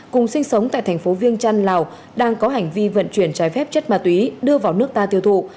cùng sinh sống tại thành phố viêng trăn lào đang có hành vi vận chuyển trái phép chất ma túy đưa vào nước ta tiêu thụ